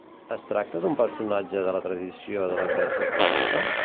Es tracta d'un personatge de la tradició de la Grècia clàssica?